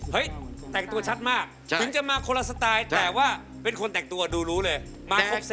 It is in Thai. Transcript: แต่งตัวชัดมากถึงจะมาคนละสไตล์แต่ว่าเป็นคนแต่งตัวดูรู้เลยมาครบเซ